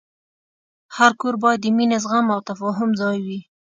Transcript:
هر کور باید د مینې، زغم، او تفاهم ځای وي.